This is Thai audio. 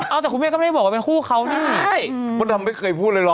เอ้าแต่คุณแม่ก็ไม่ได้บอกว่าเป็นคู่เขานี้